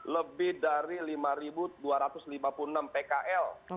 lebih dari lima dua ratus lima puluh enam pkl